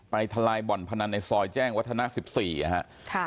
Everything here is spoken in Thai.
ปริธารายบ่อนพนันในซอยแจ้งวัฒนา๑๔